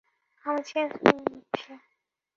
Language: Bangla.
আমি চেঞ্জ করে নিচ্ছি।